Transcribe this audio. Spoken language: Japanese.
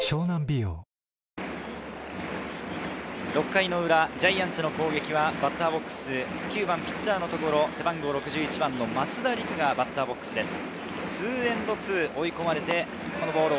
６回裏、ジャイアンツの攻撃は９番ピッチャーのところ、背番号６１番の増田陸がバッターボックスです。